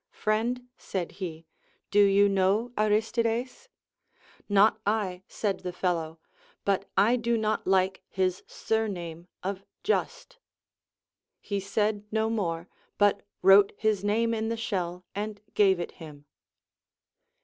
Friend, said he, do you know Aristides ? Not 1, said the fellow, but I do not like his surname of Just. He said no more, but Avrote his name in the shell and gave it him.